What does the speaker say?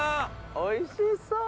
おいしそう！